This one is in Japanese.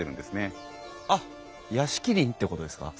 あっ屋敷林ってことですか？